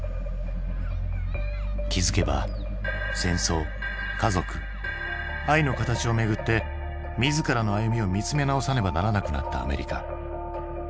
気付けば戦争家族愛の形をめぐって自らの歩みを見つめ直さねばならなくなったアメリカ。